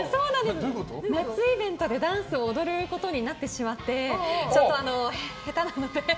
夏イベントでダンスを踊ることになってしまってちょっと下手なので。